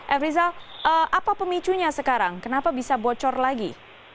efrizal apa pemicunya sekarang kenapa bisa bocor lagi